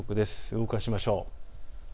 動かしましょう。